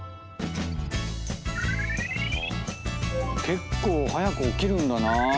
結構早く起きるんだな。